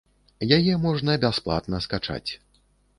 Яе можна бясплатна скачаць.